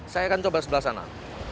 saya akan coba sebelah sana